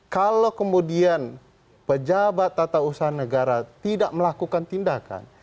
kalau kemudian pejabat tata usaha negara tidak melakukan tindakan